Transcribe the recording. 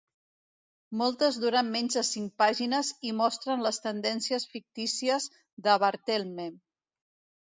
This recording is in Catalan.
Moltes duren menys de cinc pàgines i mostren les tendències fictícies de Barthelme.